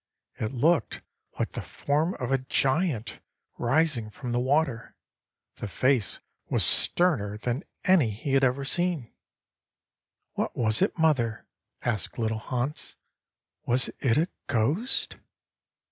It looked like the form of a giant rising from the water. The face was sterner than any he had ever seen." "What was it, mother?" asked little Hans; "was it a ghost?"